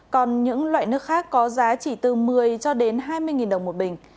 còn những loại nước khác có giá chỉ từ một mươi cho đến hai mươi nghìn đồng một bình